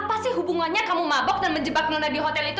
apa sih hubungannya kamu mabok dan menjebak nunda di hotel itu